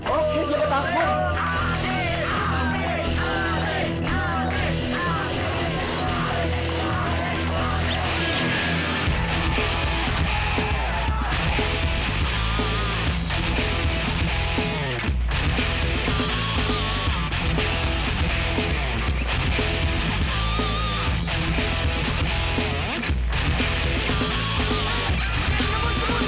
oh ya siapa takut